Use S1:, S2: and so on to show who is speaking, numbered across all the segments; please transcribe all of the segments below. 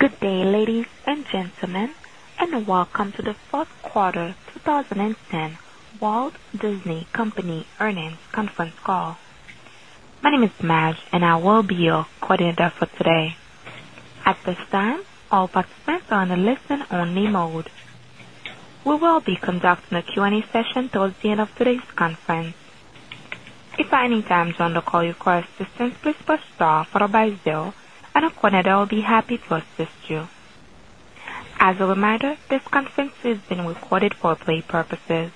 S1: Good day, ladies and gentlemen, and welcome to the 4th Quarter 2010 Walt Disney Company Earnings Conference Call. My name is Maj, and I will be your coordinator for today. Panopo Neto will be happy to assist you. As a reminder, this conference is being recorded for replay purposes.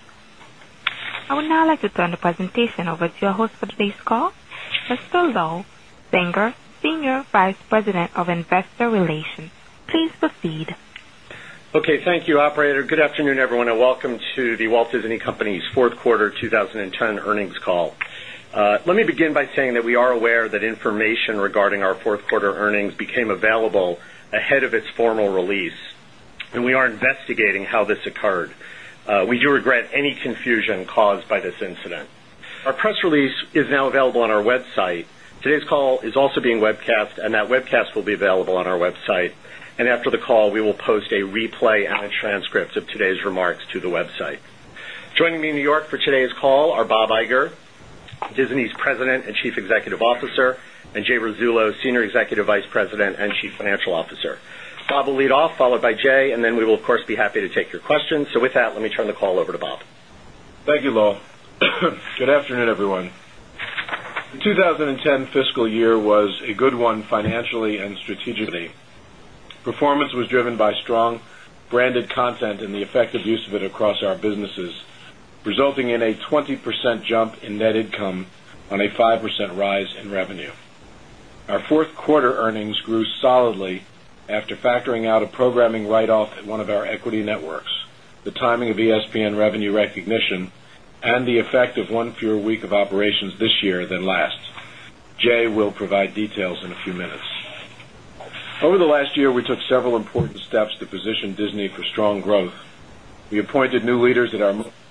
S1: I would now like to turn the presentation over to your host for today's call, Mr. Lowell Binger, Senior Vice President of Investor Relations. Please proceed.
S2: Okay. Thank you, operator. Good afternoon, everyone, and welcome to The Walt Disney Company's 4th quarter 2010 earnings call. Let me begin by saying that we are aware that information regarding Q4 earnings became available ahead of its formal release, and we are investigating how this occurred. We do regret any confusion caused by this incident. Our press release is now available on our website. Today's call is also being webcast and that webcast will be available on our website. And after the call, we will post a replay and a transcript of today's remarks to the website. Joining me in New York for today's call are Bob Iger, Disney's President and Chief and Jay Rizzullo, Senior Executive Vice President and Chief Financial Officer. Bob will lead off, followed by Jay, and then we will of course be happy to take your questions. So with that, let me turn the call over Thank you, Lal.
S3: Good afternoon, everyone. The 2010 fiscal year was a good Good one financially and strategically. Performance was driven by strong branded content and the effective use of it across our businesses, resulting in a 20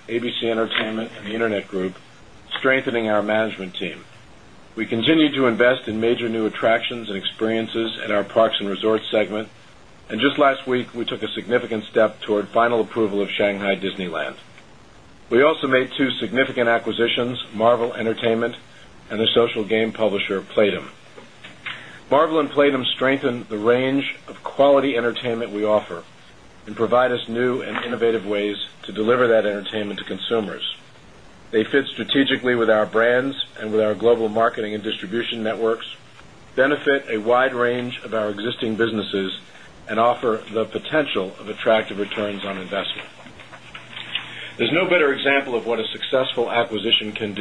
S3: We also made 2 significant acquisitions, Marvel Entertainment and the social game publisher, Playdum. Marvel and Playdum strengthen The range of quality entertainment we offer and provide us new and innovative ways to deliver that entertainment to consumers. They fit strategically with our brands and with our global marketing and distribution networks, benefit a wide range of our existing There's no better example of what a successful acquisition can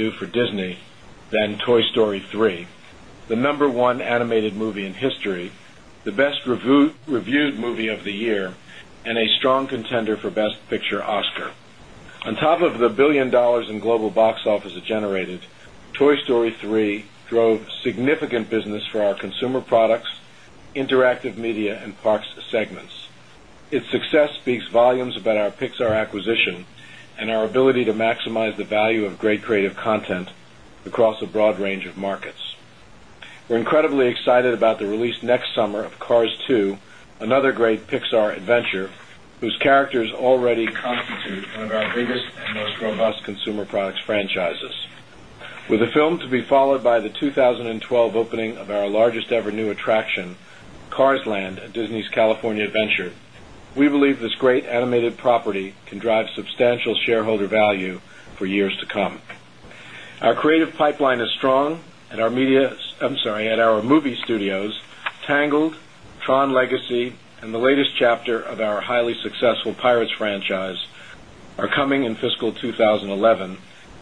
S3: and our ability to maximize the value of great creative content across a broad range of markets. We're incredibly excited about the release next summer of Cars 2, another great Pixar adventure, whose characters already constitute one of our biggest and most robust consumer products franchises. With the film to be followed by the 2012 opening of our largest ever new attraction, Cars Our creative pipeline is strong and our media I'm sorry, at our movie studios, Tangled, Tron Legacy and the latest chapter of our highly successful Pirates franchise are coming in fiscal 2011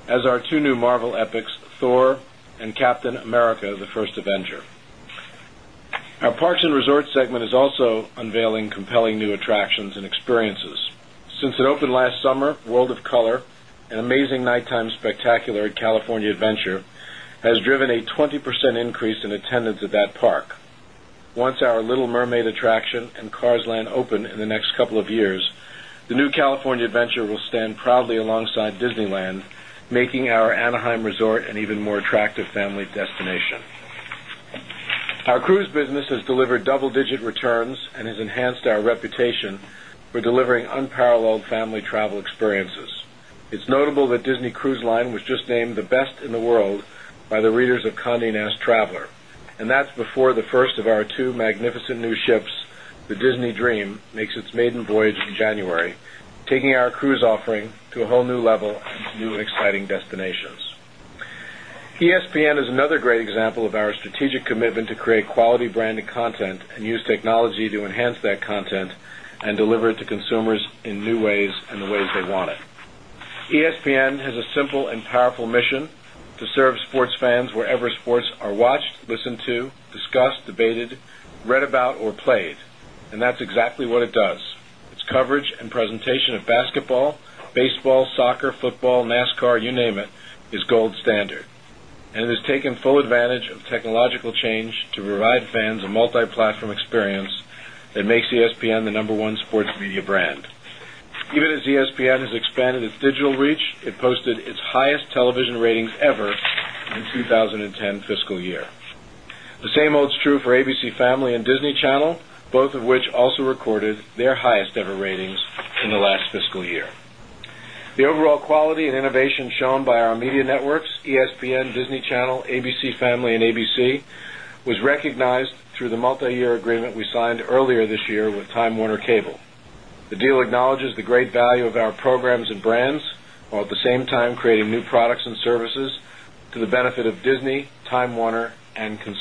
S3: as experiences. Since it opened last summer, World of Color, an amazing nighttime spectacular California Adventure, has double digit returns and has enhanced our reputation for delivering unparalleled family travel experiences. It's notable that Disney Cruise Line was just named the best in the world by the readers of Conde Nast Traveler. And that's before the first of our 2 magnificent new ships, The Disney Dream makes its maiden voyage in January, taking our cruise offering to a whole new level and new exciting destinations. ESPN is another great example of our strategic commitment to create quality branded content and use technology to enhance that content and deliver it to consumers Baseball, soccer, football, NASCAR, you name it, is gold standard and has taken full advantage of technological change to its highest television ratings ever in 20 10 fiscal year. The same holds true for ABC Family and Disney channel, both of which also recorded their highest ever ratings in the last fiscal year. The overall quality and innovation shown by our media networks, ESPN, Disney Channel, ABC Family and ABC was recognized through the multi year agreement we signed earlier this year with Time Warner Cable. The deal acknowledges the great value of our programs and brands, while at the same time creating new products and services to the benefit of Disney, Time Warner and When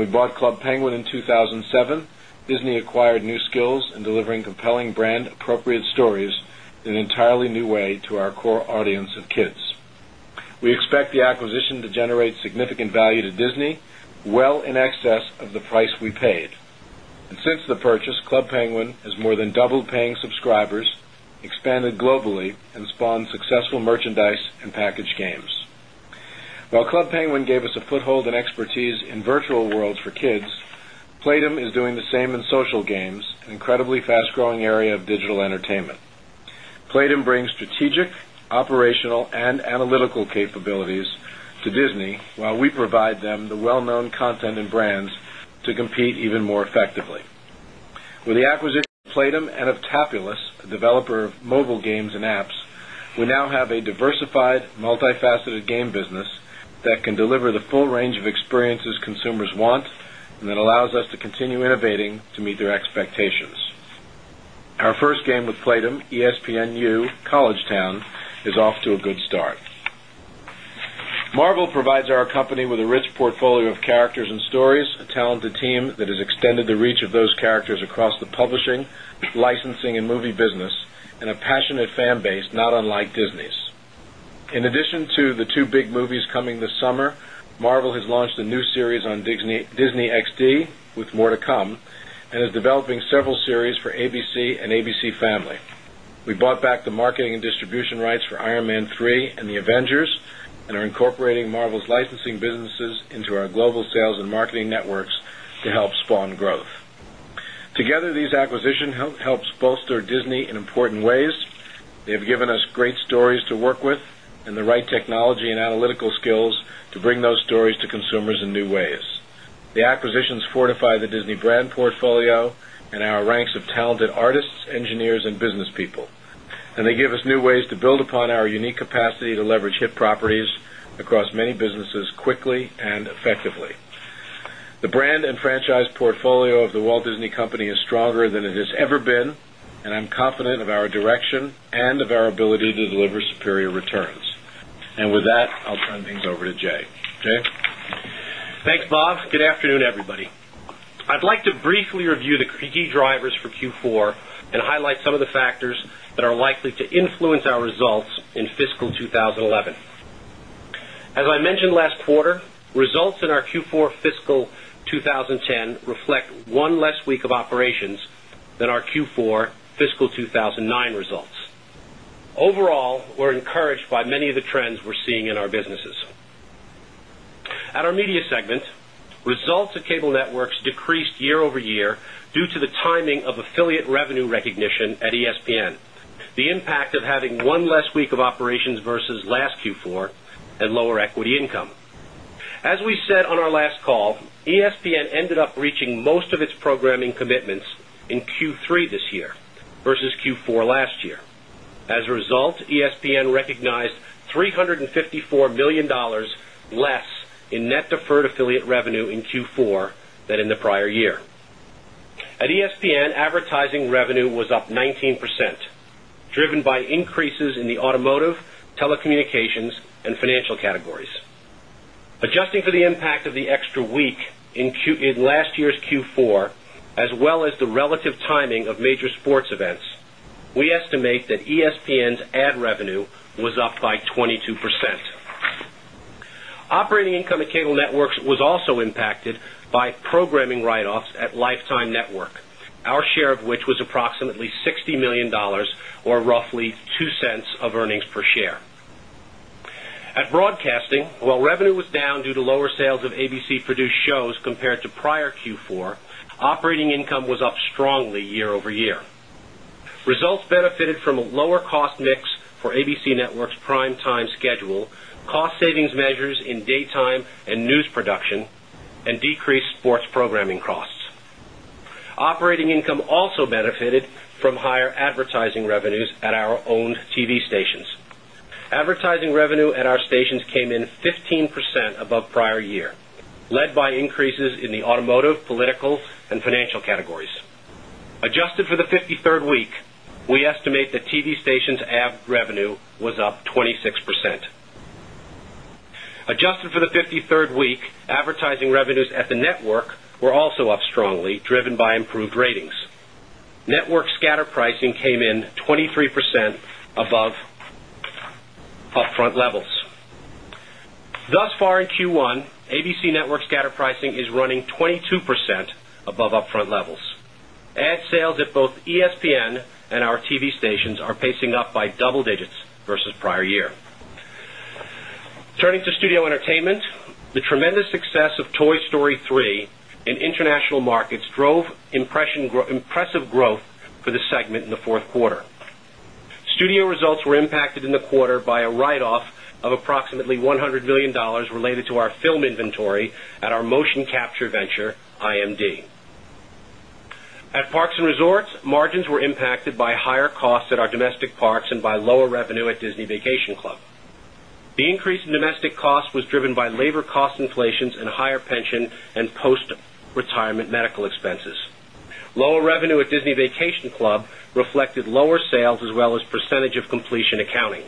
S3: we bought Club Penguin in 2007, Disney acquired new skills in delivering compelling brand appropriate stories in an entirely new to our core audience of kids. We expect the acquisition to generate significant value to Disney, well in excess of the price we paid. And since to Disney, while we provide them the well known content and brands to compete even more effectively. With the acquisition Our Our first game with Playdum, ESPNU, College Town is off to a good start. Marvel provides our company with a rich portfolio of to come and is developing several series for ABC and ABC Family. We bought back the marketing and distribution rights for Iron Man 3 and the Avengers and helps bolster Disney in important ways. They have given us great stories to work with and the right technology and analytical skills to bring those stories to consumers in 2 ways. The acquisitions fortify the Disney brand portfolio and our ranks of talented artists, engineers and business people. And they give us new ways to build upon our unique capacity to leverage hip properties across many businesses quickly and effectively. The The brand and franchise portfolio of The Walt Disney Company is stronger than it has ever been, and I'm confident of our direction and of our ability to deliver superior returns. And with that, I'll turn things over
S4: to Jay. Jay? Thanks, Bob. Good afternoon, everybody. I'd like to briefly review the key drivers for results in our Q4 fiscal 2010 reflect 1 less week of operations than our Q4 fiscal 2019 results. Overall, we're encouraged by many of the trends we're seeing in our businesses. At our Media segment, results at Cable Networks decreased year over year due to the timing of affiliate revenue recognition at ESPN, the impact of having one less week of operations programming commitments in Q3 this year versus Q4 last year. As a result, ESPN recognized 3 That ESPN's ad revenue was up by 22%. Operating income at Cable Networks was also impacted up strongly driven by improved ratings. Network scatter pricing came in 23% above upfront levels. Thus far in Q1, ABC Network's scatter pricing is running 22% above upfront levels. Ad sales The success of Toy Story 3 in international markets drove impressive growth for the segment in the 4th quarter. Studio results were impacted in the quarter by a write off of approximately $100,000,000 related to our film inventory at our retirement medical expenses. Lower revenue at Disney Vacation Club reflected lower sales as well as percentage of completion accounting.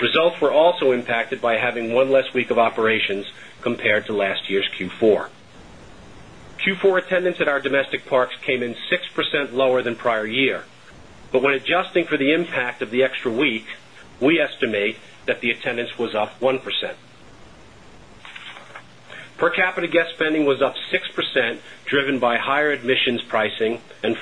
S4: Results were also impacted by having one less week of operations compared to last year's Q4. Q4 attendance Our domestic parks came in 6% lower than prior year. But when adjusting for the impact of the extra week, we estimate that the attendance was up 1%. Per capita guest spending was up 6% driven by higher admissions pricing and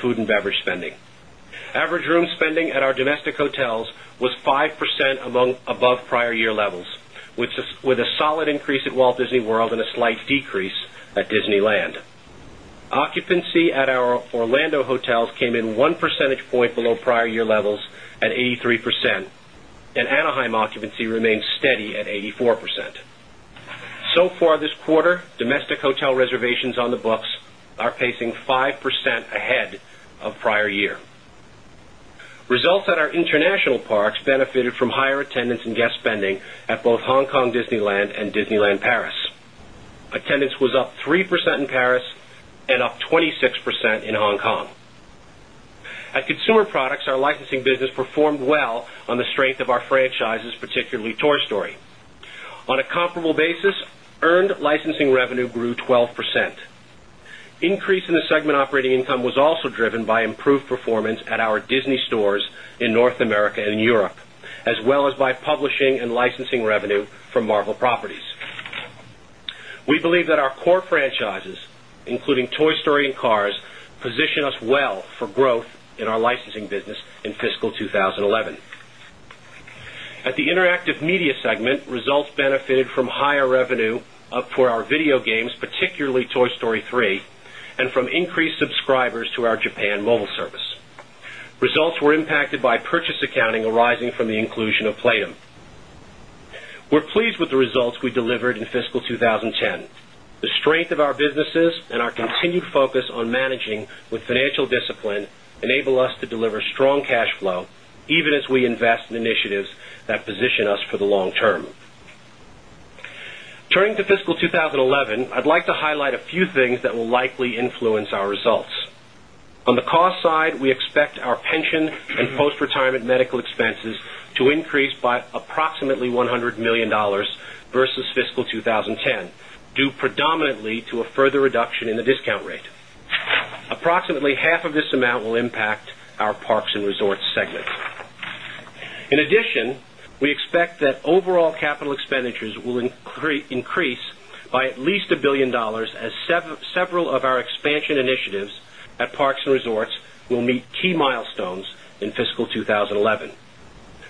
S4: with a solid increase at Walt Disney World and a slight decrease at Disneyland. Occupancy at our Orlando hotels came in 1 percentage point domestic hotel reservations on the books are pacing 5% ahead of prior year. Results at Our international parks benefited from higher attendance and guest spending at both Hong Kong Disneyland and Disneyland Paris. Attendance was up 3% in tariffs and up 26% in Hong Kong. At Consumer Products, our licensing business performed well on the strength of our Increase in the segment operating income was also driven by improved performance at our Disney Stores in North America and Europe, as well as by publishing and licensing revenue from Marvel Properties. We believe that our core franchises, including Toy Story and Cars, position us well for growth in our licensing business in fiscal 2011. At the Interactive Media segment, results benefited from higher revenue for purchase accounting arising from the inclusion of Playdum. We're pleased with the results we delivered in fiscal 2010. The Strength of our businesses and our continued focus on managing with financial discipline enable us to deliver strong cash flow even as we invest in initiatives that position us for the long term. Turning to fiscal 2011, I'd like to highlight a few things will increase by at least $1,000,000,000 as several of our expansion initiatives at Parks and Resorts We'll meet key milestones in fiscal 2011.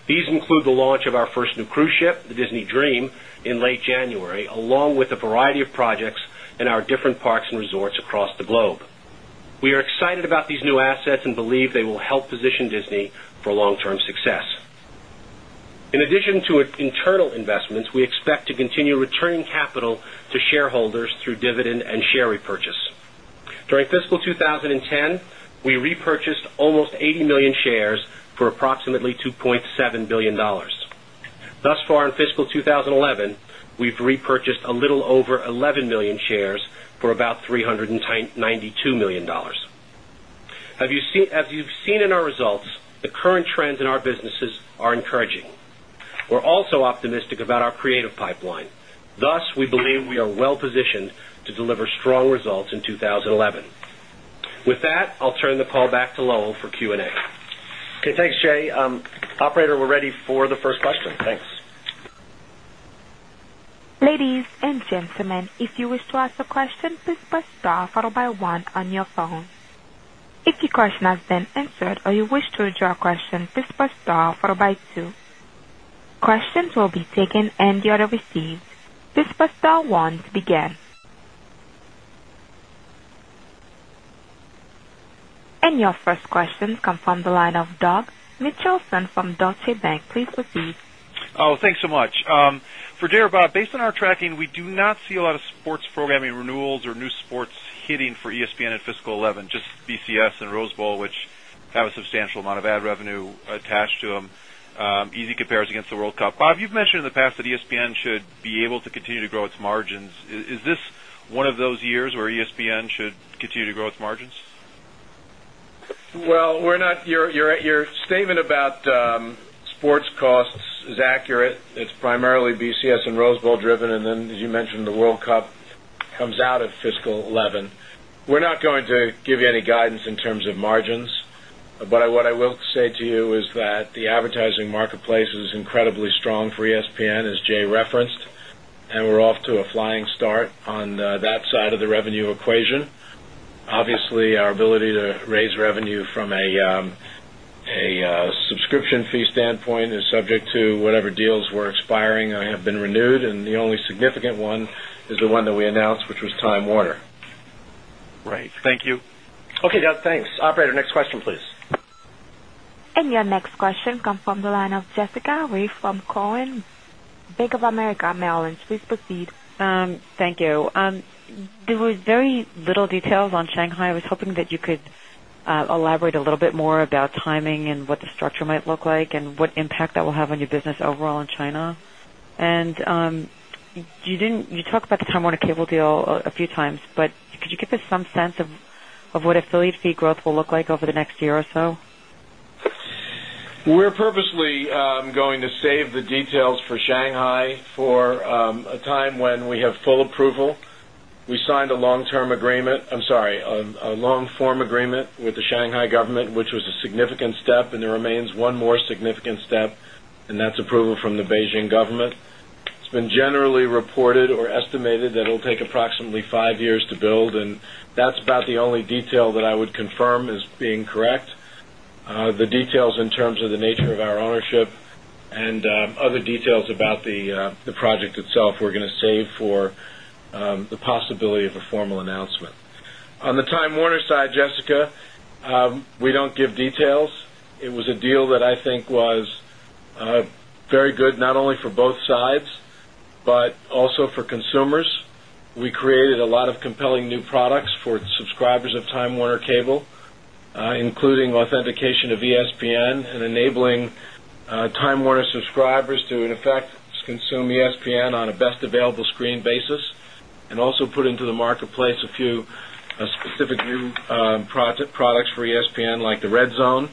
S4: These include the launch of our first new cruise ship, the Disney Dream, in late January, along with a variety of projects in our different parks and resorts across the globe. We are excited about these new assets and believe they will help position shareholders through dividend and share repurchase. During fiscal 2010, we repurchased almost 80,000,000 shares for approximately 2,700,000,000 dollars. Thus far in fiscal 2011, we've repurchased a little over 11,000,000 shares for about $392,000,000 As you've seen in our results, the current trends in our businesses are encouraging. We're also optimistic about our creative pipeline. Thus, we believe we are well positioned to deliver strong results in 2011. With that, I'll turn the call back to Lowell for Q Q and A.
S2: Okay. Thanks, Jay. Operator, we're ready for the first question. Thanks.
S1: And your first question comes from the line of Doug Mitchelson from Deutsche Bank. Please proceed.
S5: Oh, Thanks so much. For Dhirubhai, based on our
S6: tracking, we do not see a lot of
S5: sports programming renewals or new sports hitting for ESPN in fiscal Just BCS and Rose Bowl, which have a substantial amount of ad revenue attached to them, easy compares against the World Cup. Bob, you've mentioned in the past that ESPN should Be able to continue to grow its margins. Is this one of those years where ESPN should continue to grow its margins?
S3: Well, we're not Your statement about sports costs is accurate. It's primarily BCS and Rose Bowl driven. And then as you mentioned, the Marketplace is incredibly strong for ESPN, as Jay referenced, and we're off to a flying start on that side of the revenue equation. Obviously, our ability to raise revenue from a subscription fee standpoint is subject to whatever deals were expiring or have been Renewed and the only significant one is the one that we announced, which was Time Warner.
S4: Right. Thank you.
S2: Okay, Doug. Thanks. Operator, next question please.
S1: And your next question comes from the line of Jessica Rae from Cowen Bank of America Merrill Lynch. Please proceed.
S7: There was very little details on Shanghai. I was hoping that you could elaborate a little bit more about timing and what the structure might look like and what impact that will have on your business overall in China. And
S1: you didn't you talked about
S7: the Time Warner Cable deal a few times, but Could you give
S1: us some sense of what affiliate fee
S7: growth will look like over the next year or so?
S3: We're purposely going to save the details for Shanghai Hi for a time when we have full approval. We signed a long term agreement I'm sorry, a long government. It's been generally reported or estimated that it will take approximately 5 years to build, and that's about the only detail that I would firm is being correct. The details in terms of the nature of our ownership and other details about The project itself, we're going to save for the possibility of a formal announcement. On the Time Warner side, Jessica, We don't give details. It was a deal that I think was very good not only for both sides, But also for consumers, we created a lot of compelling new products for subscribers of Time Warner Cable, including And also put into the marketplace a few specific new products for ESPN like the Red Zone,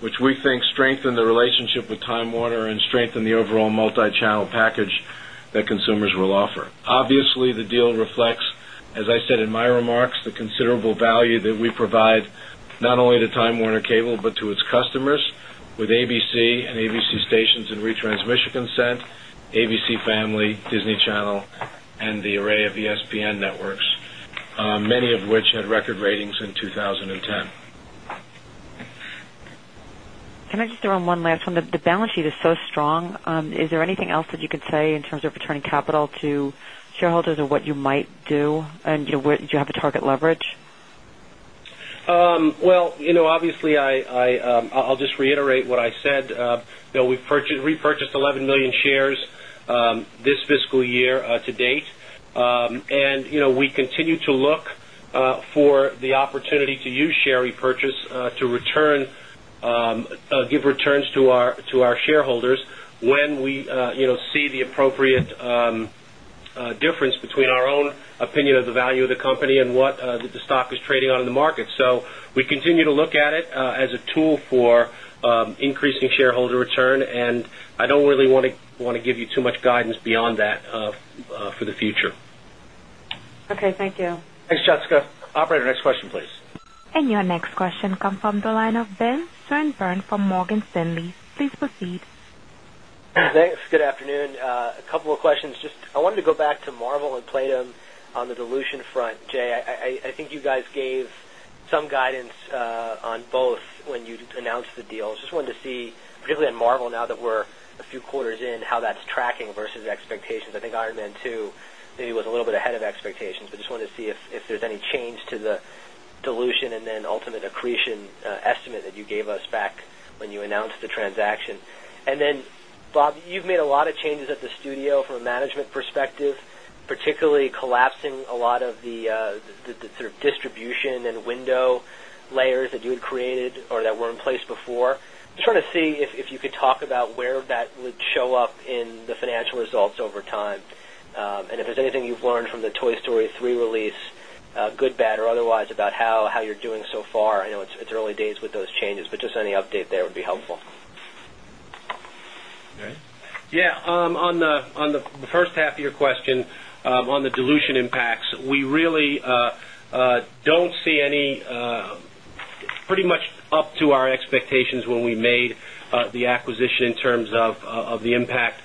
S3: Which we think strengthened the relationship with Time Warner and strengthened the overall multichannel package that consumers will offer. Obviously, the deal reflects, as I said in my remarks, the considerable value that we provide not only to Time Warner Cable, but to its customers with ABC and ABC stations and retransmission consent, ABC Family, Disney Channel and the array of ESPN Networks, Many of which had record ratings in 2010.
S8: Can I
S7: just throw in one last one? The balance sheet is so strong. Is there anything else that you could say in terms of returning capital to shareholders or what you might do? And do you have a target leverage?
S4: Well, obviously, I'll just reiterate what I said. We've repurchased 11,000,000 shares this fiscal year to date. And we continue to look for the opportunity to between our own opinion of the value of the company and what the stock is trading on in the market. So we continue to look at it as a tool for increasing And I don't really want to give you too much guidance beyond that for the future.
S7: Okay. Thank you.
S2: Thanks, Jessica. Operator, next question,
S1: And your next question comes from the line of Ben Sorenburn from Morgan Stanley. Please proceed.
S9: Thanks. Good afternoon. A couple of Just I wanted to go back to Marvel and Playdum on the dilution front, Jay. I think you guys gave some guidance on both when you announced deal. Just wanted to see, particularly on Marvel, now that we're a few quarters in, how that's tracking versus expectations? I think Ironman too maybe was a little bit ahead of expectations. But just wanted to see if there's change to the dilution and then ultimate accretion estimate that you gave us back when you announced the transaction. And then, Bob, you've made a lot of changes at the studio from a management perspective, particularly collapsing a lot of the sort of And if there's anything you've learned from the Toy Story 3 release, good, bad or otherwise, about how you're doing far, I know it's early days with those changes, but just any update there would be helpful.
S3: Yes.
S4: On the dilution impacts, we really don't see any pretty much up to our When we made the acquisition in terms of the impact,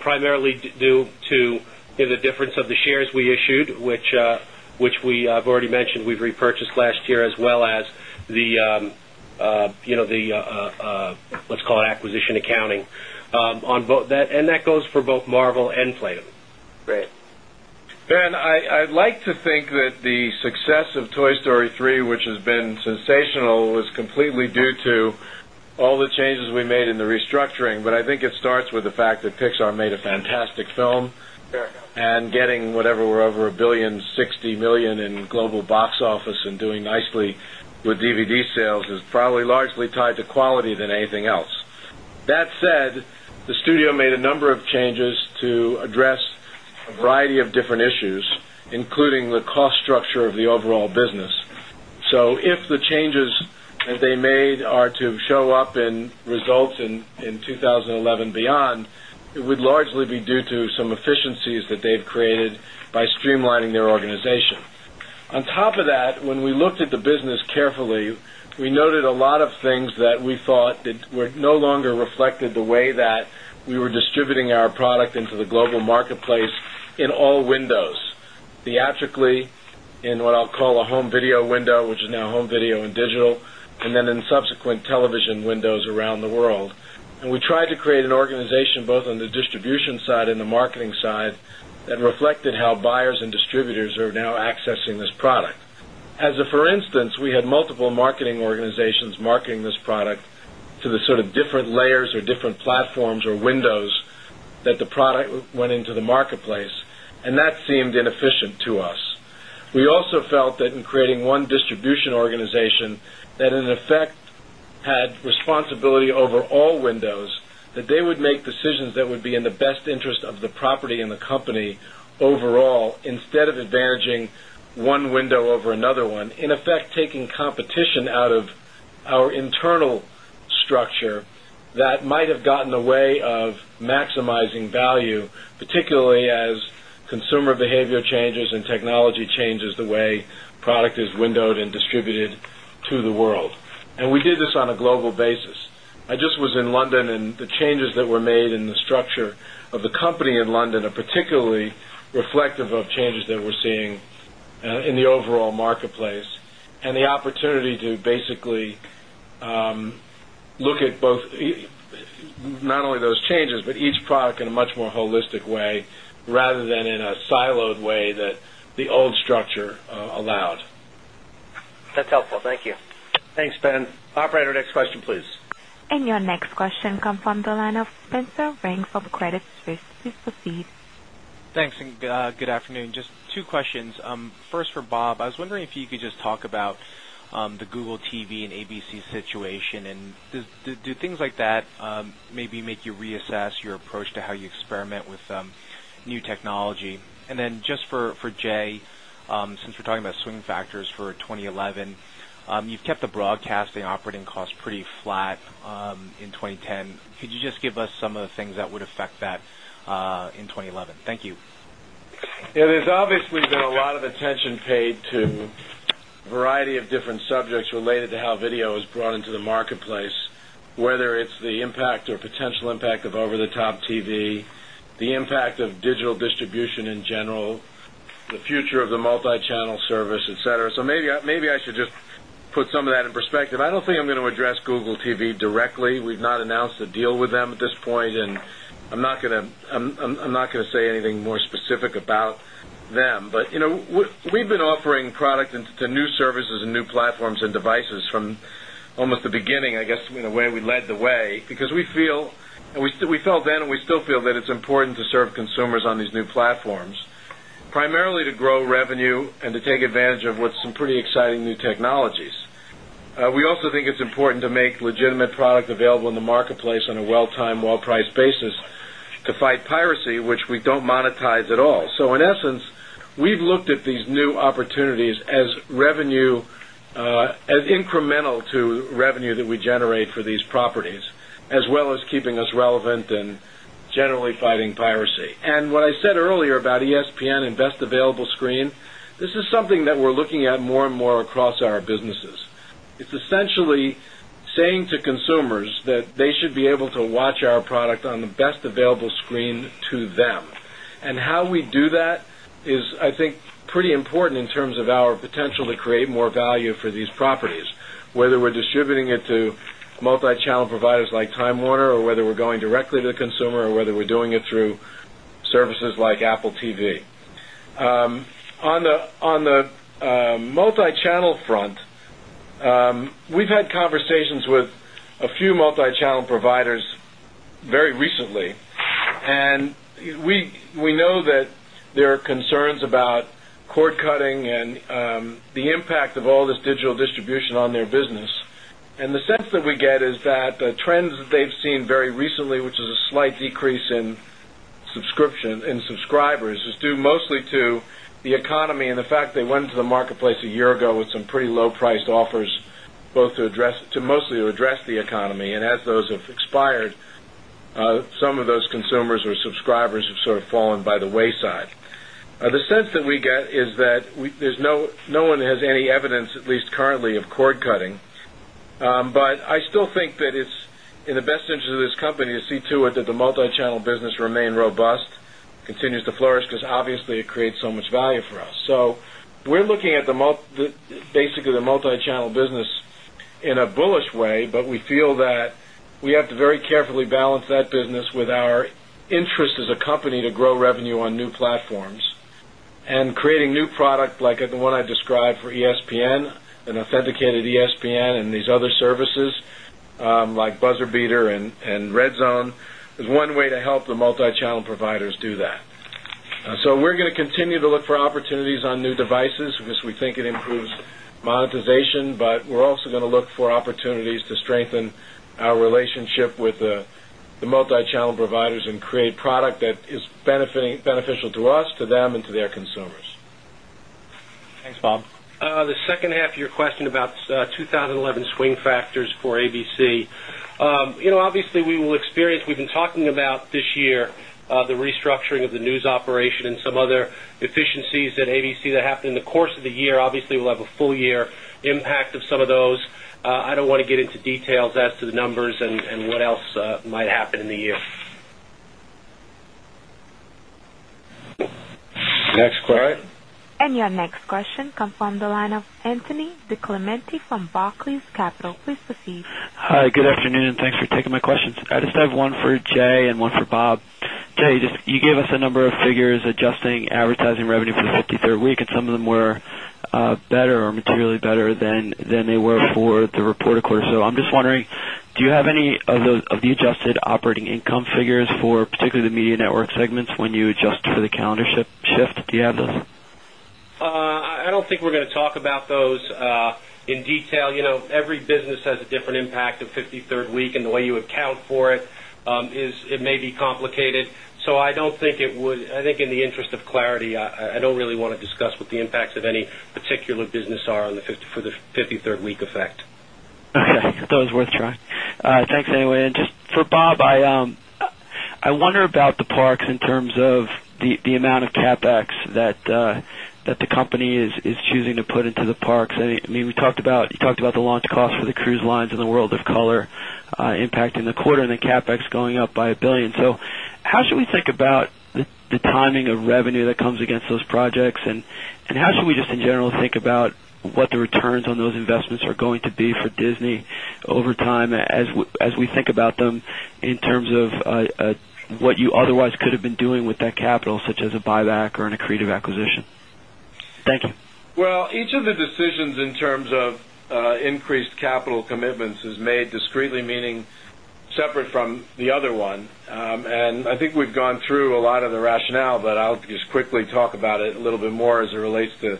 S4: primarily due to the difference The shares we issued, which we have already mentioned, we've repurchased last year as well as the, let's It's called acquisition accounting, on both that and that goes for both Marvel and Play Doh.
S10: Great.
S3: Ben, I'd like to think that the success of Toy with the fact that Pixar made a fantastic film and getting whatever we're over $1,000,000,000 $60,000,000 in global box office and doing nicely with issues, including the cost structure of the overall business. So if the changes that they made are to show up in results When we looked at the business carefully, we noted a lot of things that we thought that were no longer reflected the way that we were distributing our product into the global marketplace in all windows, theatrically, in what I'll call a home video window, which is now home video and digital, and then in subsequent television windows around the world. And We tried to create an organization both on the distribution side and the marketing side that reflected how buyers and distributors are platforms or windows that the product went into the marketplace and that seemed inefficient to us. We also felt that in creating one behavior changes and technology changes the way product is windowed and distributed to the world. And we did this on a global basis. I just was in London and the changes that were made in the structure of the company in London are particularly reflective of changes that we're seeing in the overall marketplace and the opportunity to basically look at both Not only those changes, but each product in a much more holistic way rather than in a siloed way that the old structure allowed.
S10: That's helpful. Thank you.
S2: Thanks, Ben. Operator, next question please.
S1: And your next question comes from the line of Spencer Ring from Credit Suisse. Please proceed.
S11: Thanks and good afternoon. Just two questions. First for Bob, I was wondering if you could just talk about the Google TV and ABC situation and Do things like that maybe make you reassess your approach to how you experiment with new technology? And then Just for Jay, since you're talking about swing factors for 2011, you've kept the broadcasting operating cost flat in 2010. Could you just give us some of the things that would affect that in 2011? Thank you.
S3: Yes. There's obviously got a lot of attention paid to a variety of different subjects related to how video is brought into the marketplace, whether it's the impact or Potential impact of over the top TV, the impact of digital distribution in general, the future of the multi channel service, etcetera. So maybe I should just Put some of that in perspective, I don't think I'm going to address Google TV directly. We've not announced a deal with them at this point and I'm not going to say anything more specific We've been offering product into new services and new platforms and devices from almost the beginning, I guess, in a way we led the way because we feel We fell then and we still feel that it's important to serve consumers on these new platforms, primarily to grow revenue and to take advantage of what's some pretty exciting new technologies. We also think it's important to make legitimate product available in the marketplace on a well timed well priced basis to fight piracy, which we don't monetize at all. So in essence, we've looked at these new opportunities as revenue as incremental to earlier about ESPN and best available screen. This is something that we're looking at more and more across our businesses. It's Essentially saying to consumers that they should be able to watch our product on the best available screen to them. And how we do that It's, I think, pretty important in terms of our potential to create more value for these properties, whether we're distributing it to multichannel like Time Warner or whether we're going directly to the consumer or whether we're doing it through services like Apple TV. On the multichannel front, we've had conversations with a few multichannel providers very Recently. And we know that there are concerns about cord cutting and the impact of all this digital distribution And the sense that we get is that the trends that they've seen very recently, which is a slight decrease in subscription in subscribers is due mostly The economy and the fact they went to the marketplace a year ago with some pretty low priced offers, both to address to mostly address the economy and as those have expired, some of those consumers or subscribers have sort of fallen by the wayside. The sense that we get is that there's no no one has any evidence at least currently of cord cutting. But I still I think that it's in the best interest of this company to see to it that the multi channel business remain robust, continues to flourish because It creates so much value for us. So we're looking at basically the multichannel business in a bullish But we feel that we have to very carefully balance that business with our interest as a company to grow revenue on new platforms. And creating new product like the one I described for ESPN, an authenticated ESPN and these other services, like buzzer beater and RedZone There's one way to help the multi channel providers do that. So we're going to continue to look for opportunities on new devices because we think it improves monetization, but we're also going to look for opportunities to strengthen our relationship with the multichannel providers and create product that is Beneficial to us, to them and to their consumers.
S2: Thanks, Bob.
S4: The second half of your question about 11 swing factors for ABC. Obviously, we will experience we've been talking about this year the restructuring of the news operation and some other efficiencies at ABC that happened in the course of the year. Obviously, we'll have a full year impact of some of those. I don't want to get into details as to the numbers And what else might happen in the year?
S3: Next question.
S1: And your next question comes from the line of Anthony DiClemente from Barclays Capital. Please proceed.
S12: Hi, good afternoon. Thanks for taking my I just have one for Jay and one for Bob. Jay, you gave us a number of figures adjusting advertising revenue for the 53rd week and some of them were Better or materially better than they were for the reported quarter. So I'm just wondering, do you have any of the adjusted operating income figures for The Media Network segments when you adjust for the calendar shift, do you have those?
S4: I don't think we're going to talk about those in detail. Every business has Different impact of 53rd week and the way you account for it, is it may be complicated. So I don't think it would I think in the interest of clarity, I don't really want to discuss what the impacts of any particular business are for the 53rd week effect.
S12: Okay. That was worth trying. Thanks anyway. And just For Bob, I wonder about the parks in terms of the amount of CapEx that the Company is choosing to put into the parks. I mean, we talked about the launch cost for the cruise lines in the World of Color impact in the quarter and then CapEx going up by $1,000,000,000 So how should we think about the timing of revenue that comes against those projects? And how should we just in general About what the returns on those investments are going to be for Disney over time as we think about them in terms of What you otherwise could have been doing with that capital such as a buyback or an accretive acquisition? Thank you.
S3: Well, each of the decisions in terms of Increased capital commitments is made discreetly meaning separate from the other one. And I think we've gone through a lot of the rationale, but I'll just quickly Talk about it a little bit more as it relates to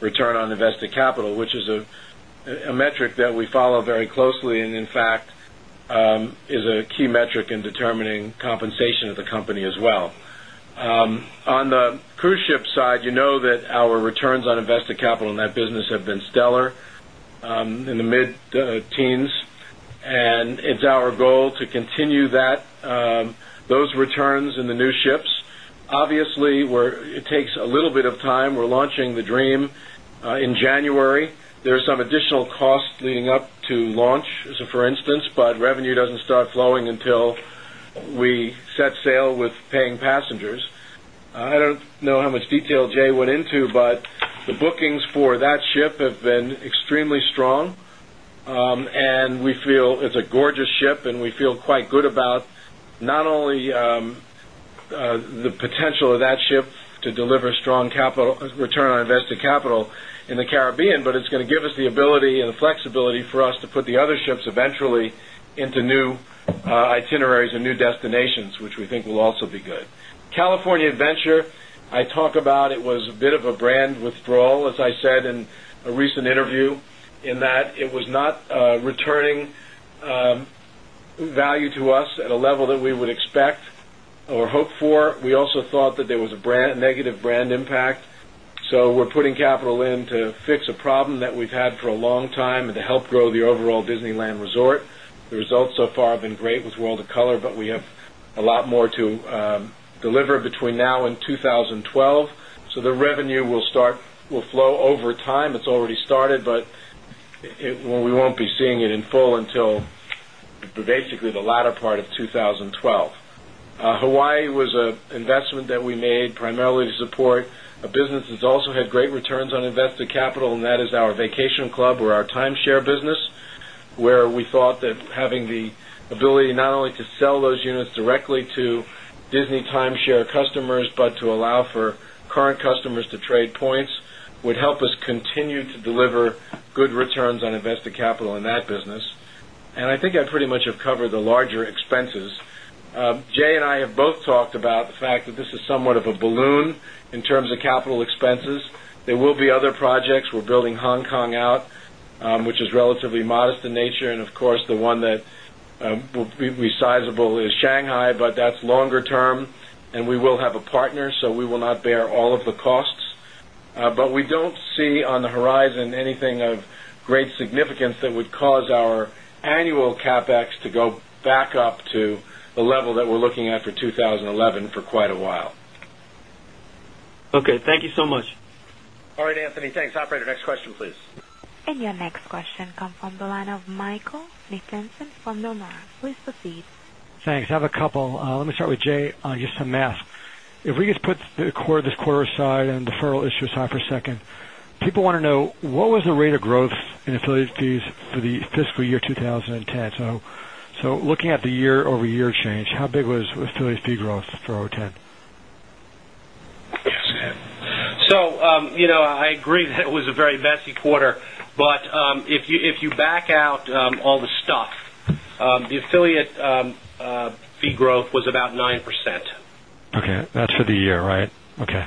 S3: return on invested capital, which is a metric that we follow very closely and in fact, is a key metric in determining compensation of the company as well. On the cruise ship side, you know that our returns on invested capital in that business have been stellar Additional costs leading up to launch, so for instance, but revenue doesn't start flowing until we set sail with paying passengers. I don't I don't know how much detail Jay went into, but the bookings for that ship have been extremely strong. And we feel it's A gorgeous ship, and we feel quite good about not only the potential of that ship to deliver strong capital return on invested capital in the Caribbean, but it's going to give us the ability and the flexibility for us to put the other ships eventually into new itineraries and new destinations, which we think will also be good. California Adventure, I talk about it was a bit of a brand withdrawal, as I said in a recent There was a brand negative brand impact. So we're putting capital in to fix a problem that we've had for a long time and to help grow the overall The results so far have been great with World of Color, but we have a lot more to deliver between now and 2012. So the revenue We'll start will flow over time. It's already started, but we won't be seeing it in full until Basically, the latter part of 2012. Hawaii was an investment that we made primarily to support a And I think I pretty much have covered the larger expenses. Jay and I have both talked about the fact
S2: that this is somewhat of
S3: a balloon in terms of capital expenses. There will be other projects. We're building Hong Kong out, Which is relatively modest in nature and of course, the one that will be sizable is Shanghai, but that's longer term and we will have a partner, So we will not bear all of the costs, but we don't see on the horizon anything of great significance that would cause our annual CapEx to go back up to a level that we're looking at for 2011 for quite a while.
S12: Okay. Thank you so much.
S2: All right, Anthony. Thanks.
S1: And your next question comes from the line of Michael Nathanson from Nomura. Please proceed.
S8: Thanks. I have a couple. Let me start with Jay, Just a math, if we just put this quarter aside and deferral issue aside for a second, people want to know what was the rate of growth in affiliate fees for the fiscal year 2010. So looking at the year over year change, how big was still a fee growth for 2010?
S4: So I agree that it was a very messy quarter. But if you back out all the stuff,
S3: the affiliate fee growth was
S4: about 9%. Okay. Fee growth was about 9%.
S8: Okay. That's for the year, right? Okay.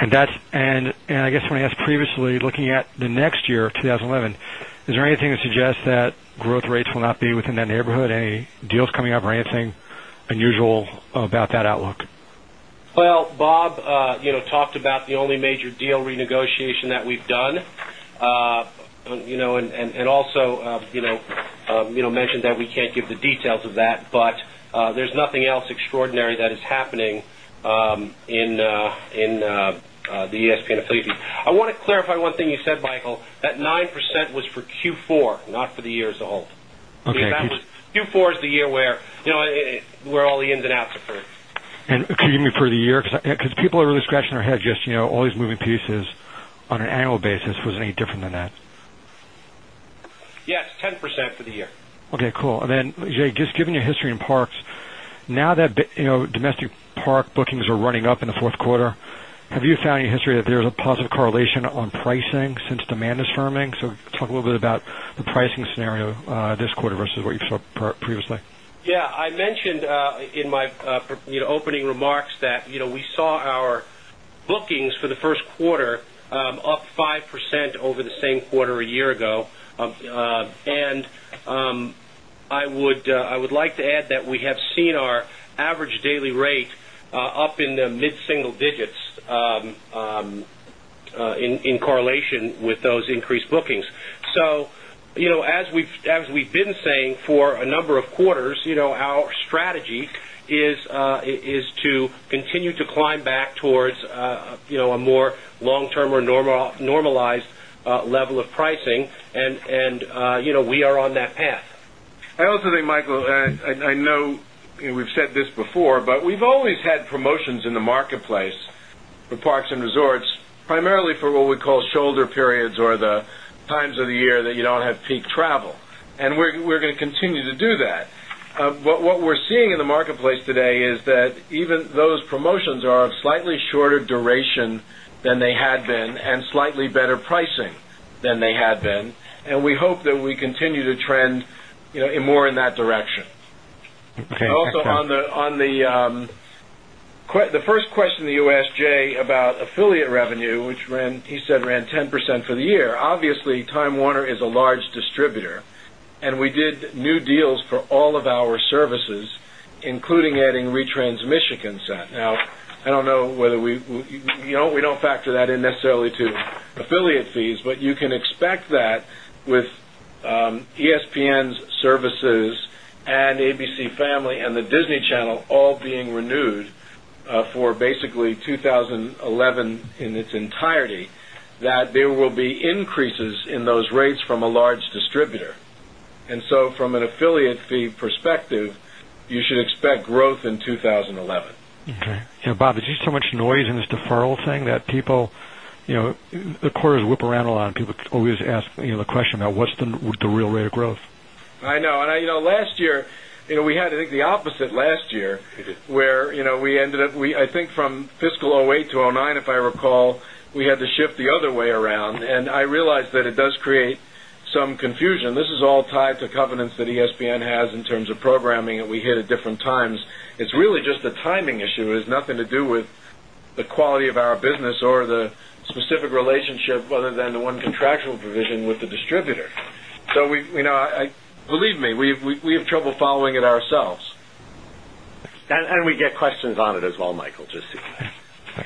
S8: And that's and I guess when I asked previously, looking the next year of 2011. Is there anything that suggests that growth rates will not be within that neighborhood, any deals coming up or anything unusual about that outlook.
S4: Well, Bob talked about the only major deal renegotiation that we've done and And also mentioned that we can't give the details of that, but there's nothing else extraordinary that is happening In the ESPN affiliation, I want to clarify one thing you said, Michael, that 9% was for Q4, not for the years old.
S8: Okay. That
S4: was Q4 is the year where all the ins and outs are
S13: for it.
S8: And could you give me for the year? Because people are really scratching their heads just all these moving pieces On an annual basis, was it any different than that?
S4: Yes, 10% for the year.
S8: Okay, cool. And then, Jay, just given Your history in parks, now that domestic park bookings are running up in the Q4, have you found in your history that there is a positive correlation pricing since demand is firming. So talk a little bit about the pricing scenario this quarter versus what you saw previously?
S4: Yes. I mentioned in my opening remarks that we saw our bookings for the Q1, up 5% over Daily rate up in the mid single digits in correlation with those increased bookings. As we've been saying for a number of quarters, our strategy is to continue to Climb back towards a more long term or normalized level of pricing and we are on that path.
S3: I also think, Michael, I know we've said this before, but we've always had promotions in the marketplace For Parks and Resorts, primarily for what we call shoulder periods or the times of the year that you don't have peak travel. And we're going to continue to do that. What we're seeing in the marketplace today is that even those promotions are slightly shorter duration than they had been and slightly better pricing than they had been. And we hope that we continue to trend in more in that direction.
S8: Okay.
S3: Also on the first question that you asked Jay about affiliate revenue, which ran he said ran 10% And for the year, obviously Time Warner is a large distributor and we did new deals for all of our services, including adding retransmissions. Now I don't know whether we we don't factor that in necessarily to affiliate fees, but you can expect that with ESPN's services in its entirety that there will be increases in those rates from a large distributor. And so from an affiliate fee perspective, you should expect growth in 2011.
S8: Okay. Bob, there's just so much noise in this I'm saying that people the quarters whip around a lot and people always ask the question about what's the real rate of growth.
S3: I know. Last year, we had I think the opposite last year where we ended up, I think from fiscal 'eight to 'nine, if I recall, we had to The other way around and I realize that it does create some confusion. This is all tied to covenants that ESPN has in terms of programming and we hit at different times. It's really just The timing issue has nothing to do with the quality of our business or the specific relationship other than the one contractual provision with the distributor. So Believe me, we have trouble following it ourselves.
S2: And we get questions on it as well, Michael.
S8: It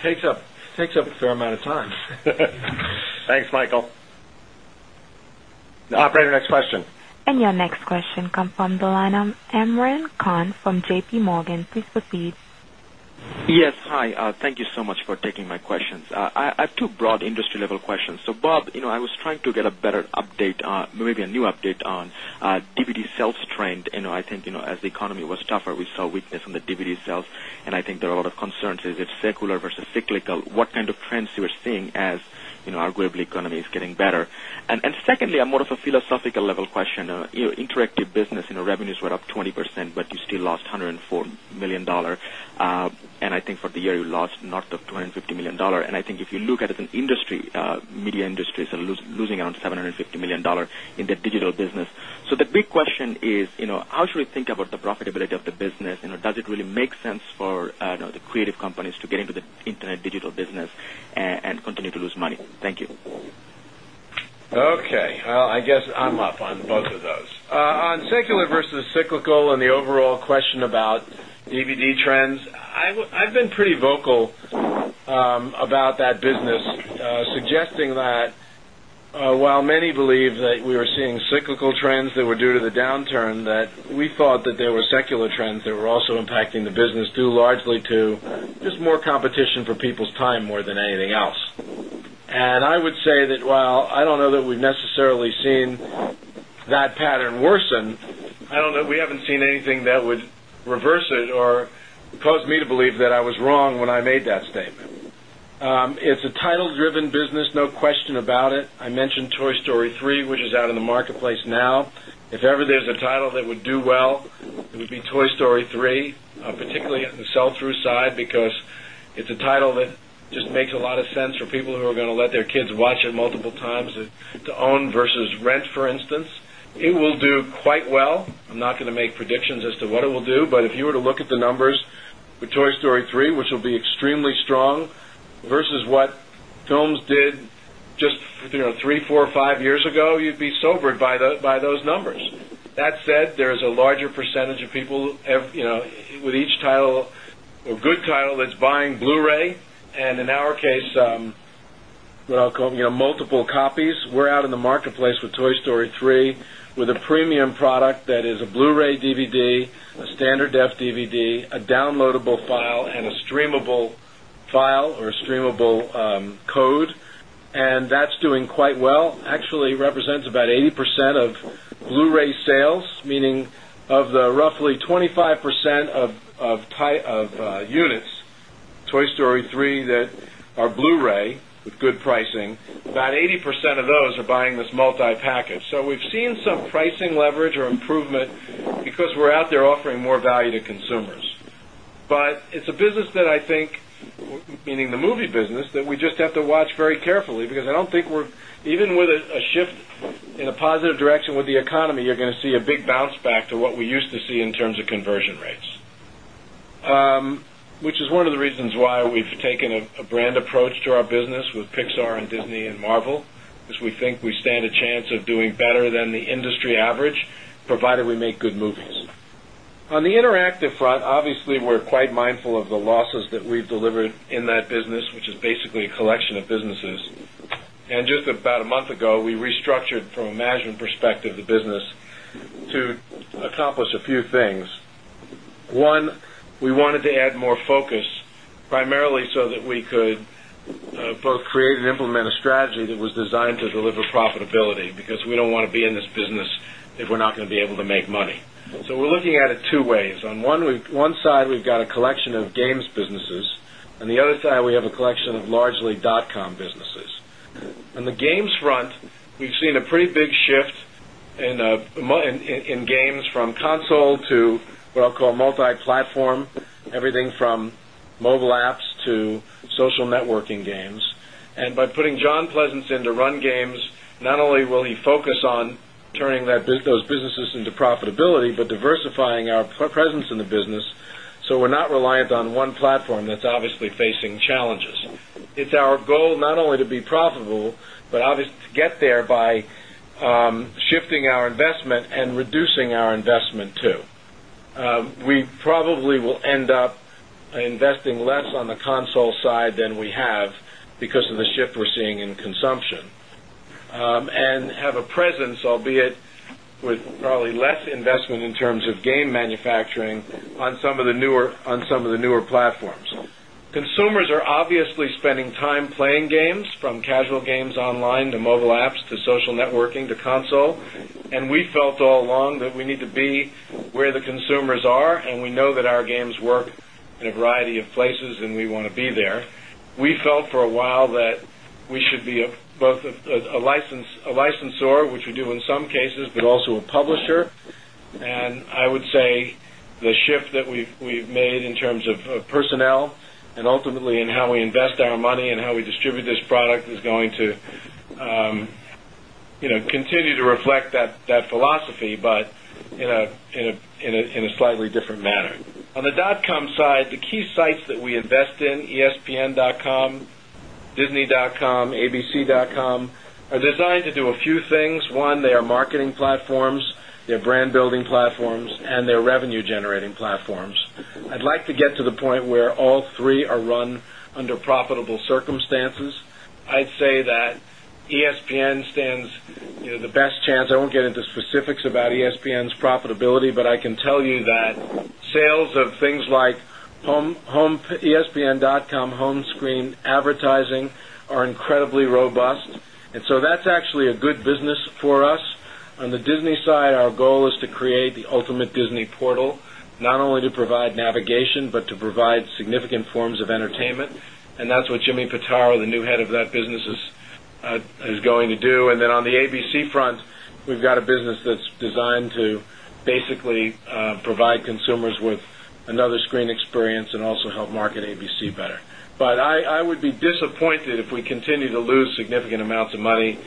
S8: takes
S2: up a fair amount of time. Thanks, Michael. Operator, next question.
S1: And your next question comes from the line of to Amran Khan from JPMorgan. Please proceed.
S10: Yes. Hi. Thank you so much for taking my questions. I have 2 broad level questions. So Bob, I was trying to get a better update, maybe a new update on DVD sales trend. I think as the economy was tougher, we saw weakness in the sales. And I think there are a lot of concerns. Is it secular versus cyclical? What kind of trends you are seeing as arguably economy is getting better? And secondly, a more of a philosophical level question. Interactive business, revenues were up 20%, but you still lost $104,000,000 And I think for the year, you lost North of $250,000,000 And I think if you look at it as an industry, media industries are losing around $750,000,000 in the digital business. So the big Question is, how should we think about the profitability of the business? Does it really make sense for the creative companies to get into the Internet
S3: And the overall question about DVD trends, I've been pretty vocal about that business suggesting While many believe that we are seeing cyclical trends that were due to the downturn that we thought that there were secular trends that were also impacting the Due largely to just more competition for people's time more than anything else. And I would say that while I don't know that we've necessarily That pattern worsen, I don't know we haven't seen anything that would reverse it or cause me to believe that I was wrong when I made that statement. It's a title driven business, no question about it. I mentioned Toy Story 3, which is out in the marketplace now. If ever there's a title that would do well, it would be Toy Kids watch it multiple times, to own versus rent for instance. It will do quite well. I'm not going to make predictions as to what it will do, but if you were to look at the numbers The Toy Story 3, which will be extremely strong versus what films did just 3, 4, 5 years ago, you'd be sobered by those numbers. That said, there is a larger percentage of people with each title, a good title that's buying Blu Ray And in our case, what I'll call multiple copies, we're out in the marketplace with Toy Story 3 with a premium product that is a Blu Ray DVD, And that's doing quite well, actually represents about 80% of Blu Ray sales, meaning of the roughly 25 So we've seen some pricing leverage or improvement because we're out there offering more value to consumers. But it's a business that I think, meaning the movie business that we just have to watch very carefully because I don't think we're even with a shift in a positive direction with the economy, you're going to see a big bounce back to what we used to see in Pixar and Disney and Marvel as we think we stand a chance of doing better than the industry average provided we make good movies. On the interactive front, obviously, we're Quite mindful of the losses that we've delivered in that business, which is basically a collection of businesses. And just about a month ago, we restructured from a management perspective So we're looking at it 2 ways. On one side, we've got a collection of games businesses and the other side, have a collection of largely dotcombusinesses. On the games front, we've seen a pretty big shift to profitability, but diversifying our presence in the business. So we're not reliant on one platform that's obviously facing challenges. It's Our goal not only to be profitable, but obviously to get there by shifting on some of the newer platforms. Consumers are obviously spending time playing games from casual games online to mobile apps to social networking, the console. And we felt all along that we need to be where the consumers are, and we know that our games work And ultimately, in how we invest our money and how we distribute this product is going to I continue to reflect that philosophy, but in a slightly different manner. On the dotcom side, the key sites that we invest in, espn. Disney.com, abc.com are designed to do a few things. 1, they are marketing platforms, Their brand building platforms and their revenue generating platforms. I'd like to get to the point where all 3 are run under profitable circumstances. I I'd say that ESPN stands the best chance. I won't get into specifics about ESPN's profitability, but I can tell you that Sales of things like home, espn.com home screen advertising are incredibly robust. And so that's actually a good business That's what Jimmy Pataro, the new head of that business is going to do. And then on the ABC front, we've got a business that's designed to Basically provide consumers with another screen experience and also help market ABC better. But I would be Disappointed if we continue to lose significant amounts of money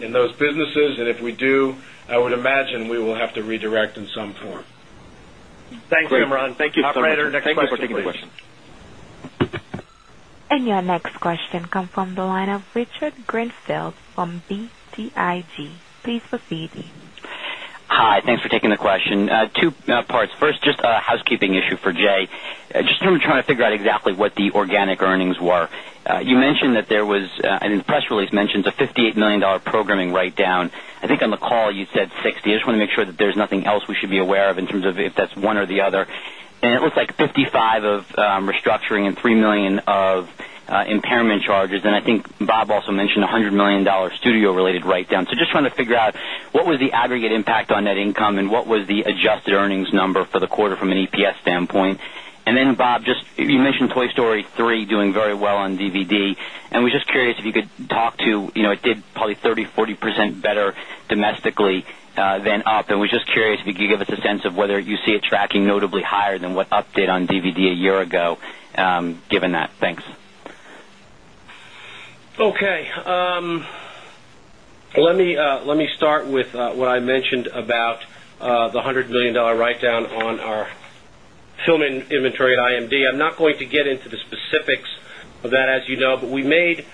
S3: in those businesses. And if we do, I would imagine we will have to redirect in some form. Thanks,
S2: Imran. Thank you, operator.
S10: Operator, next question please.
S1: And your next question comes from the line of Richard Grenfell from BTIG.
S8: Please proceed.
S14: Hi, thanks for taking the question. Two parts. First, just a housekeeping issue for Jay. Just trying to figure out exactly what the organic earnings war. You mentioned that there was and in the press release you mentioned the $58,000,000 programming write down. I think on the call you said I just want to make sure that there's nothing else we should be aware of in terms of if that's one or the other. And it looks like $55,000,000 of restructuring and $3,000,000 of impairment charges. And think Bob also mentioned $100,000,000 studio related write down. So just trying to figure out what was the aggregate impact on net income and what was the adjusted earnings number quarter from an EPS standpoint. And then Bob, just you mentioned Toy Story 3 doing very well on DVD. And we're just curious if Talk to it did probably 30%, 40% better domestically than up. I was just curious if
S4: you could give us a
S14: sense of whether You see it tracking notably higher than what update on DVD a year ago, given that? Thanks.
S4: Okay. Let me start with what I mentioned about the $100,000,000 write down on our film inventory I'm not going to get into the specifics of that as you know, but we made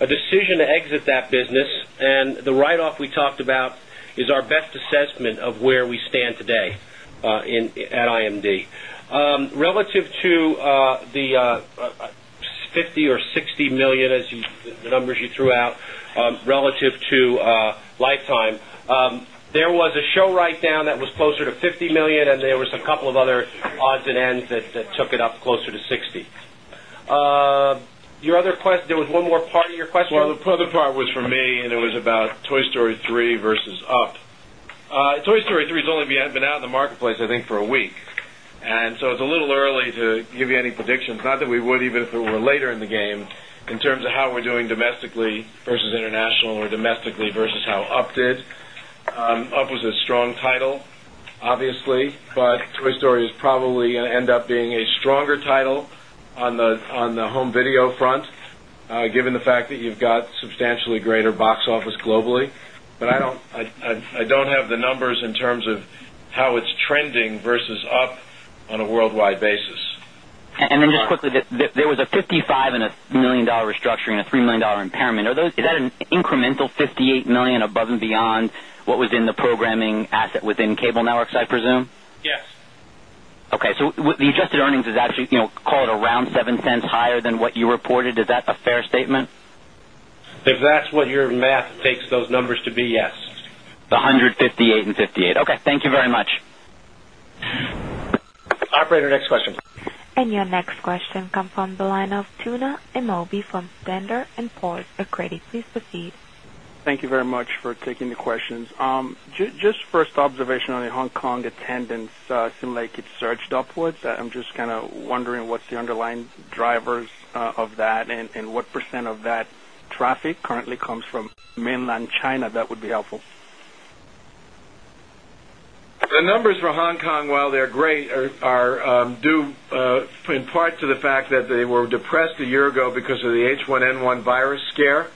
S4: a decision to exit that business and the write off we talked about is our best assessment of where we 60,000,000 as you the numbers you threw out relative to Lifetime. There was a show write That was closer to $50,000,000 and there was a couple of other odds and ends that took it up closer to $60,000,000 Your other There was one more part of your question.
S3: Well, the other part was for me and it was about Toy Story 3 versus UP. Toy Story 3 has only been The marketplace I think for a week. And so it's a little early to give you any predictions, not that we would even if we were later in the game in terms of how we're doing domestically versus international or domestically versus how UP did. UP was a strong title, obviously, but Toy Story Substantially greater box office globally, but I don't have the numbers in terms of how it's trending versus up on a
S14: And then just quickly, there was a $55,000,000 restructuring and a $3,000,000 impairment. Are those is that an incremental $58,000,000 above and beyond what was in the programming asset within Cable Networks, I presume?
S4: Yes.
S14: Okay. So the adjusted earnings is Call it around $0.07 higher than what you reported. Is that a fair statement?
S4: If that's what your math takes those numbers to be, yes.
S14: The 158 and 58, okay. Thank you very much.
S2: Operator, next question.
S1: And your next question comes from the line of Tuna Timobi from Stender and Poor's Credit. Please proceed.
S6: Thank you very much for taking the questions. Just first observation on the Hong Kong Attendance seem like it surged upwards. I'm just kind of wondering what's the underlying drivers of that and what percent of that traffic currently comes from Mainland China, that would be helpful.
S3: The numbers for Hong Kong, while they're great, are due in Part to the fact that they were depressed a year ago because of the H1N1 virus scare.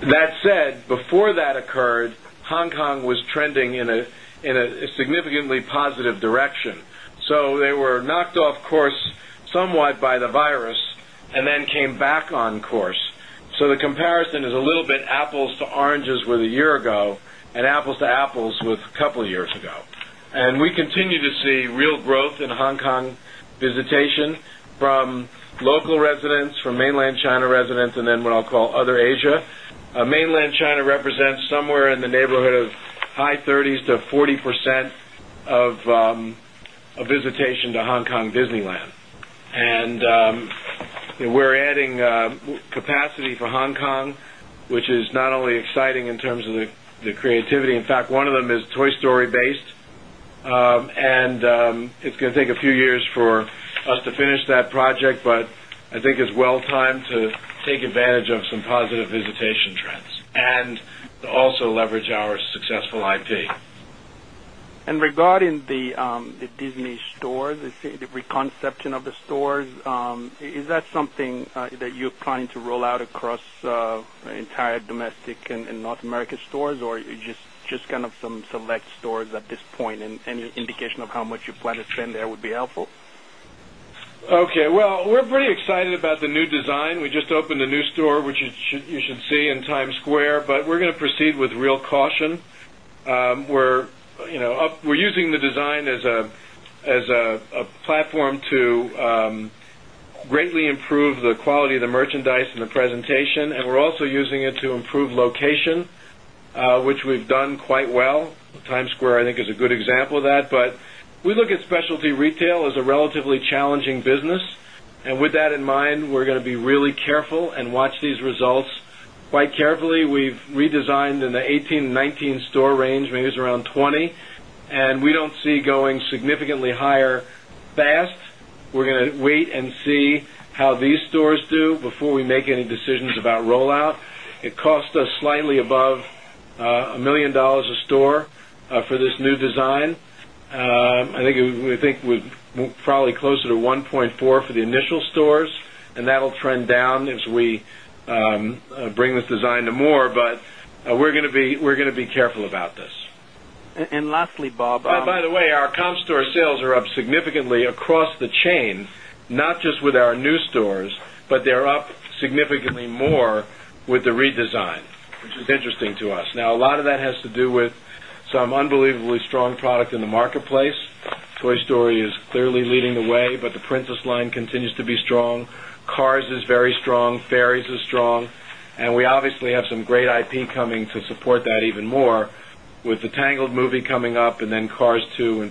S3: That said, before that occurred, Hong Kong It was trending in a significantly positive direction. So they were knocked off course somewhat by the virus and then came back on So the comparison is a little bit apples to oranges with a year ago and apples to apples with a couple of years ago. And We continue to see real growth in Hong Kong visitation from local residents, from Mainland China residents and then what I'll call other Mainland China represents somewhere in the neighborhood of high 30s to 40%
S2: of visitation
S3: In terms of the creativity, in fact, one of them is Toy Story based. And it's going to take a few for us to finish that project, but I think it's well timed to take advantage of some positive visitation trends and also leverage
S6: And regarding the Disney Stores, the reconception of the stores, is that something that you Planning to rollout across entire domestic and North America stores or just kind of some select stores at this point? And any
S3: Okay. Well, we're pretty excited about the new design. We just opened a new store, which you should see in Times Square, But we're going to proceed with real caution. We're using the design as a platform to Greatly improved the quality of the merchandise in the presentation and we're also using it to improve location, which we've done quite well. Times Square, I think is a good example of that. But we look at specialty retail as a relatively challenging business. And with that in mind, we're going to be really Careful and watch these results quite carefully. We've redesigned in the 2018, 2019 store range, maybe it's around 20, And we don't see going significantly higher fast. We're going to wait and see how these stores do before make any decisions about rollout. It cost us slightly above $1,000,000 a store for this new design. I think we think Probably closer to 1.4 for the initial stores, and that will trend down as we bring this designed to more, but we're going to be careful about this.
S6: And lastly, Bob
S3: By the way, our comp store Sales are up significantly across the chain, not just with our new stores, but they're up significantly more with the redesign, which is interesting to us. Now a lot of that has to do with some unbelievably strong product in the marketplace. Toy Story is clearly leading the way, but the Princess line continues to be strong. Cars is very strong. Fairies is strong. And We obviously have some great IP coming to support that even more with the Tangled movie coming up and then Cars 2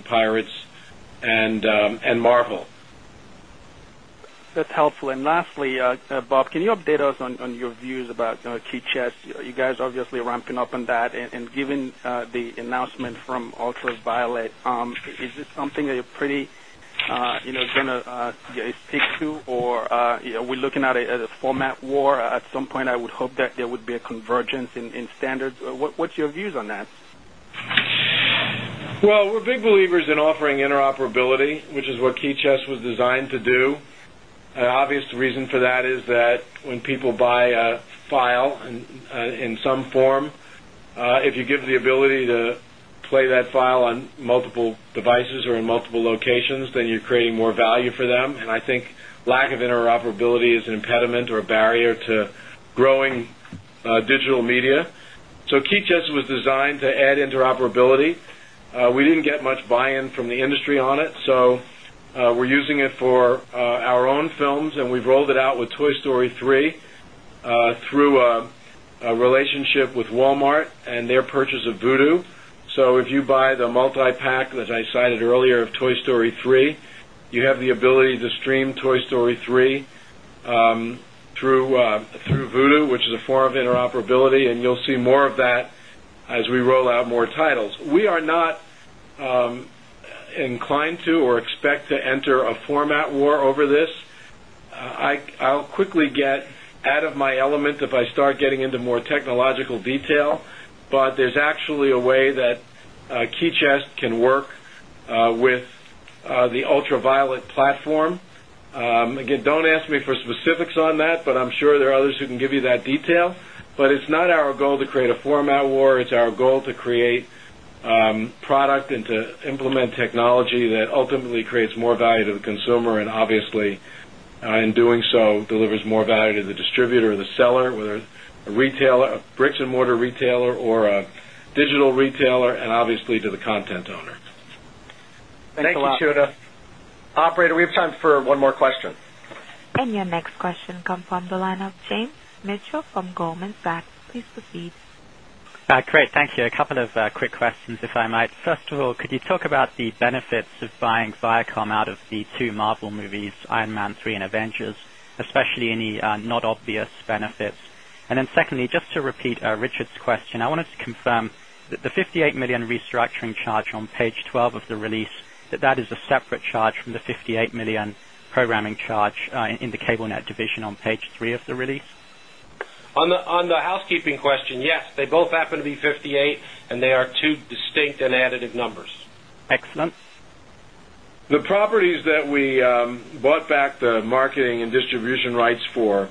S6: That's helpful. And lastly, Bob, can you update us on your views Kitchens, you guys obviously are ramping up on that. And given the announcement from Ultraviolett, is this something that you're pretty going to Can you speak to or are we looking at it as a format war? At some point, I would hope that there would be a convergence In standards, what's your views on that?
S3: Well, we're big believers in offering interoperability, which is what chess was designed to do. Obviously, the reason for that is that when people buy a file in some form, If you give the ability to play that file on multiple devices or in multiple locations, then you're creating more value for them. And I think lack of interoperability is an impediment or a barrier to growing digital media. So Key Justice was designed to add interoperability. We didn't get much buy in from the industry on it. So We're using it for our own films and we've rolled it out with Toy Story 3 through a relationship with Walmart and their So if you buy the multi pack that I cited earlier of Toy Story 3, you have the ability to stream Toy Story 3 through Vudu, which is a form of interoperability, and you'll see more of that as we roll out more titles. We are not Inclined to or expect to enter a format war over this. I'll quickly get out of my element if I start getting more technological detail, but there's actually a way that Keychess can work with the ultraviolet platform. Again, don't ask me for specifics on that, but I'm sure there are others who can give you that detail. But it's not our goal to create a format war, it's our goal to product and to implement technology that ultimately creates more value to the consumer and obviously, in doing so, delivers more value distributor or the seller, whether a retailer, a bricks and mortar retailer or a digital retailer and obviously to the content owner.
S2: Thanks a lot. Operator, we have time for one more question.
S1: And your next question comes from the line of James Mitchell from Goldman Sachs. Please proceed.
S13: Great. Thank you. A couple of quick questions, if I might. First of all, could you talk about the benefits of buying Viacom out of the 2 Marvel movies, Iron Man 3 and Avengers, especially any not obvious benefits. And then secondly, just to repeat Richard's question, I wanted to confirm that the $58,000,000 restructuring charge on Page 12 of the release, that is a separate charge from the $58,000,000 programming charge in the CableNet division on Page 3 of the release.
S4: On the housekeeping question, yes, they both happen to be 58 and they are 2 distinct and additive numbers.
S3: Excellent. The properties that we bought back the marketing and distribution rights for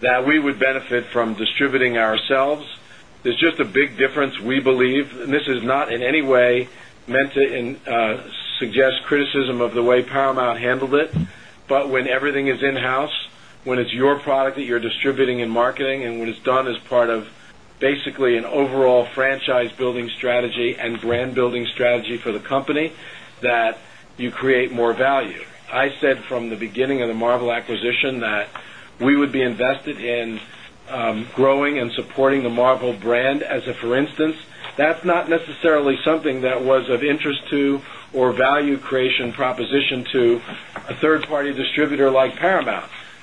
S3: The way Paramount handled it, but when everything is in house, when it's your product that you're distributing and marketing and when it's Done as part of basically an overall franchise building strategy and brand building strategy for the company that you create more value. I said from the beginning of the Marvel acquisition that we would be invested in growing and supporting the Marvel brand as For instance, that's not necessarily something that was of interest to or value creation proposition to a third party distributor like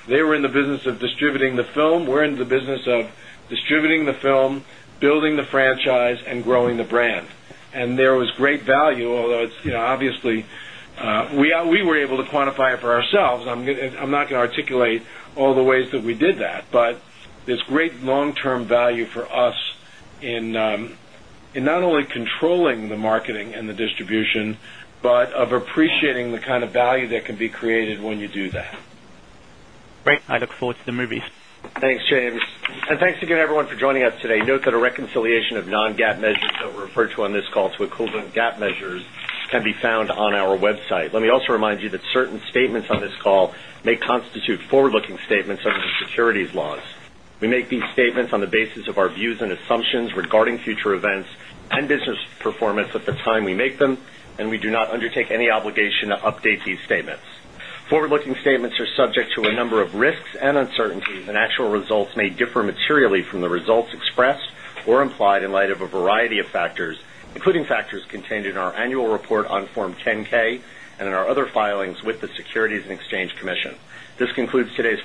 S3: They were in the business of distributing the film. We're in the business of distributing the film, building the franchise and growing the brand. And there was great value, although it's obviously, we were able to quantify it for ourselves. I'm not going to articulate all the ways that we did that. But There's great long term value for us in not only controlling the marketing and the distribution, but of appreciating the kind value that can be created when you do that.
S13: Great. I look forward to the movies.
S2: Thanks, James. And thanks again, everyone, for joining us today. Note that business performance at the time we make them, and we do not undertake any obligation to update these statements. Forward looking statements are subject to a number of including factors contained in our annual report on Form 10 ks and in our other filings with the Securities and Exchange Commission. This concludes today's